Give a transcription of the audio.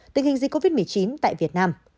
tình hình dịch covid một mươi chín tại việt nam